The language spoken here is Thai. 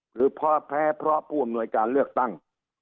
เพาะแพ้เพราะผู้อำนวยการเลือกตั้ง